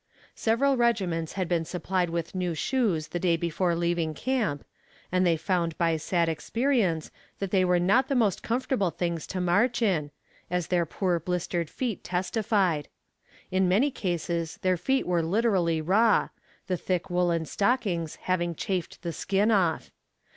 Several regiments had been supplied with new shoes the day before leaving camp, and they found by sad experience, that they were not the most comfortable things to march in, as their poor blistered feet testified; in many cases their feet were literally raw, the thick woolen stockings having chafed the skin off.